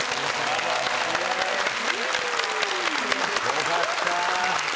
よかった。